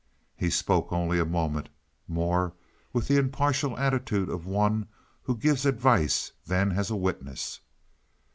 He spoke only a moment, more with the impartial attitude of one who gives advice than as a witness.